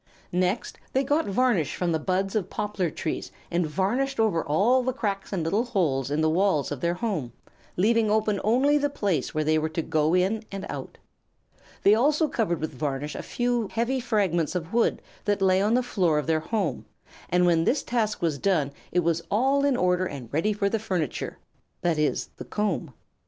Next they got varnish from the buds of poplar trees and varnished over all the cracks and little holes in the walls of their home, leaving open only the place where they were to go in and out. They also covered with varnish a few heavy fragments of wood that lay on the floor of their home, and when this task was done it was all in order and ready for the furniture, that is, the comb.